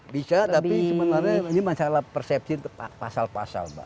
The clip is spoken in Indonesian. bisa tapi sebenarnya ini masalah persepsi pasal pasal mbak